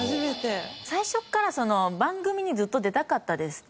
最初から番組にずっと出たかったですって。